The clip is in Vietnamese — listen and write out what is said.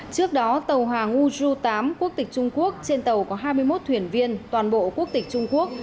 trước đó tàu hoàng uhu tám quốc tịch trung quốc trên tàu có hai mươi một thuyền viên toàn bộ quốc tịch trung quốc